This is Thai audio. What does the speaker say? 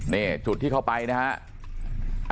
นี่จุดที่เข้าไปนะครับ